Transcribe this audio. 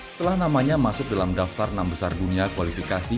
setelah namanya masuk dalam daftar enam besar dunia kualifikasi